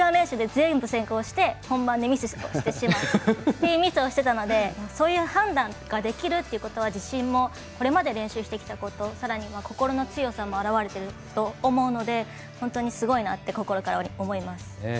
６分間練習で、全部成功して本番でミスしてしまっていたのでそういう判断ができるってことは自信もこれまで練習してきたことさらには心の強さも表れていると思うので本当にすごいなって心から思います。